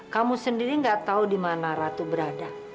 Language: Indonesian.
kamu sendiri gak tahu di mana ratu berada